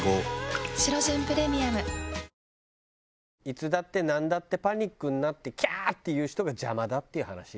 いつだってなんだってパニックになって「キャー」って言う人が邪魔だっていう話。